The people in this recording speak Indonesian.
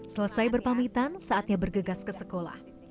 selesai berpamitan saatnya bergegas ke sekolah